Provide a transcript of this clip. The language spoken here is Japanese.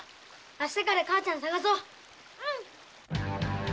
明日から母ちゃん捜そう。